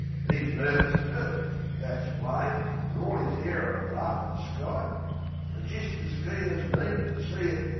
'E's nervis too; That's plain, fer orl 'is air o' bluff an' skite; An' jist as keen as me to see it thro'.